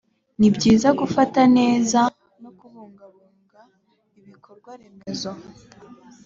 ni byiza gufata neza no kubungabunga ibikorwa remezo